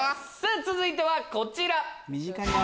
続いてはこちら！